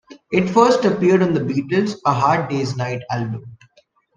It first appeared on the Beatles' "A Hard Day's Night" album.